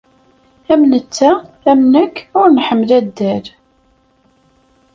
Am netta, am nekk, ur nḥemmel addal.